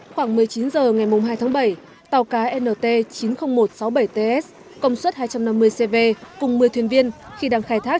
khoảng một mươi chín h ngày hai tháng bảy tàu cá nt chín mươi nghìn một trăm sáu mươi bảy ts công suất hai trăm năm mươi cv cùng một mươi thuyền viên khi đang khai thác